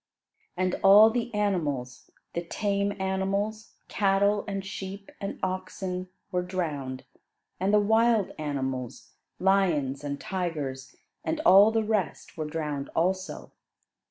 And all the animals, the tame animals, cattle, and sheep, and oxen, were drowned; and the wild animals, lions, and tigers, and all the rest were drowned also.